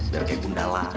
biar kayak gundala